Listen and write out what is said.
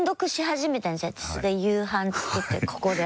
私が夕飯作ってるここで。